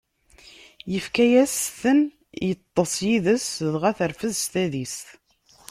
Ifka-as-ten, iṭṭeṣ yid-s, dɣa terfed s tadist.